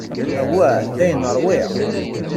Awah, dayen ṛwiɣ.